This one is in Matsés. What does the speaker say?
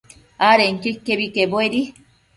adenquio iquebi quebuedi